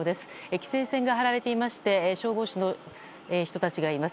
規制線が張られていまして消防隊の人たちがいます。